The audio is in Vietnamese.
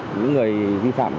những người vi phạm